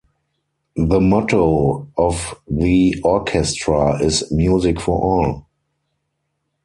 The motto of the orchestra is "Music for All".